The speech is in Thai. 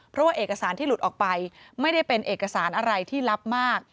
เพราะว่าเอกสารที่หลุดออกไปไม่ได้เป็นเอกสารอะไรที่ลับมาก